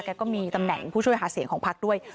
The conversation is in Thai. ก็มีตำแหน่งผู้ช่วยหาเสียงของพักด้วย